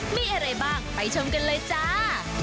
มีอะไรบ้างไปชมกันเลยจ้า